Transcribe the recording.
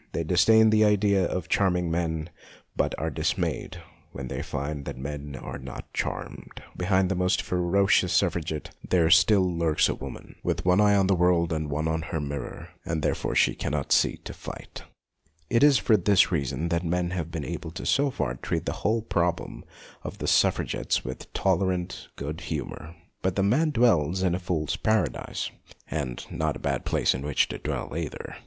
They disdain the idea of charming men, but are dismayed when they find that men are not charmed. Behind the most ferocious Suffragette there still lurks woman, with one eye on the world and one on her mirror, and therefore she cannot see to fight. THE NEW SEX 147 It is for this reason that men have been able so far to treat the whole problem of the Suffragettes with tolerant good humour ; but the man dwells in a fool's paradise (and not a bad place in which to dwell either!)